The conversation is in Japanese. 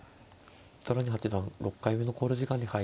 糸谷八段６回目の考慮時間に入りました。